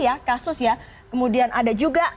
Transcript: ya kasus ya kemudian ada juga